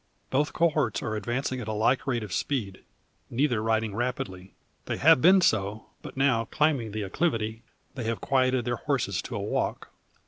Both cohorts are advancing at a like rate of speed, neither riding rapidly. They have been so, but now, climbing the acclivity, they have quieted their horses to a walk.